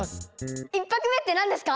１拍目って何ですか？